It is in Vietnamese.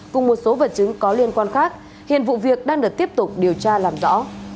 cùng một số vật chứng có liên quan khác hiện vụ việc đang được tiếp tục điều tra làm rõ